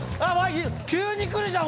急にくるじゃん！